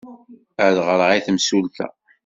Ad ɣreɣ i temsulta!